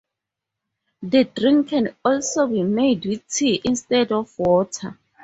The drink can also be made with tea instead of water.